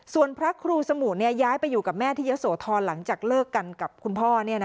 ส่วนพระครูสมุย้ายไปอยู่กับแม่ที่เยอะโสธรหลังจากเลิกกันกับคุณพ่อ